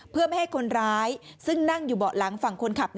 เพื่อไม่ให้คนร้ายซึ่งนั่งอยู่เบาะหลังฝั่งคนขับ